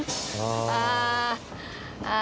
ああ。